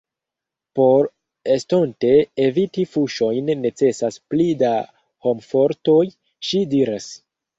Por estonte eviti fuŝojn necesas pli da homfortoj, ŝi diras.